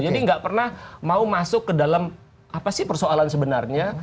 jadi nggak pernah mau masuk ke dalam apa sih persoalan sebenarnya